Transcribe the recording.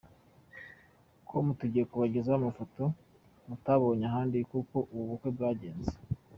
com tugiye kubagezaho amafoto mutabonye ahandi y’uko ubu bukwe bwagenze.